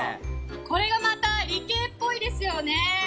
これがまた理系っぽいですよね。